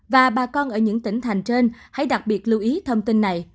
và bà con ở những tỉnh thành trên hãy đặc biệt lưu ý thông tin này